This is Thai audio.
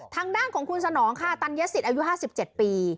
ทางด้านของคุณสนองค่ะตัญญสิตอายุห้าสิบเจ็ดปี